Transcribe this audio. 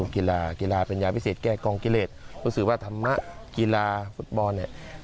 กีฬากีฬาเป็นยาพิเศษแก้กองกิเลสรู้สึกว่าธรรมะกีฬาฟุตบอลเนี่ย